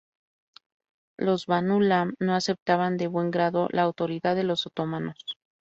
Los banu Lam no aceptaban de buen grado la autoridad de los otomanos.